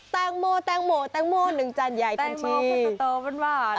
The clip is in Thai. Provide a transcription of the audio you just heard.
แตงโมหนึ่งจานใหญ่ทั้งชีวิตแตงโมเพื่อนบ้านบ้าน